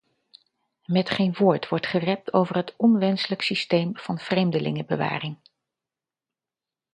Met geen woord wordt gerept over het onmenselijk systeem van vreemdelingenbewaring.